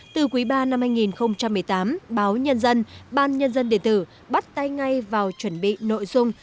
từ quý ba năm hai nghìn một mươi tám báo nhân dân ban nhân dân điện tử bắt tay ngay vào chuẩn bị nội dung